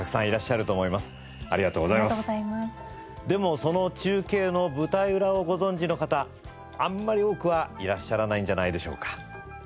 でもその中継の舞台裏をご存じの方あんまり多くはいらっしゃらないんじゃないでしょうか。